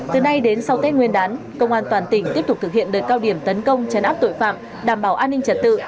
từ nay đến sau tết nguyên đán công an toàn tỉnh tiếp tục thực hiện đợt cao điểm tấn công chấn áp tội phạm đảm bảo an ninh trật tự